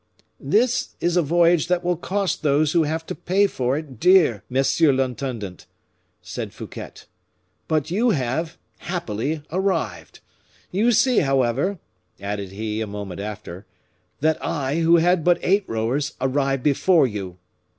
"This is a voyage that will cost those who have to pay for it dear, Monsieur l'Intendant!" said Fouquet. "But you have, happily, arrived! You see, however," added he, a moment after, "that I, who had but eight rowers, arrived before you."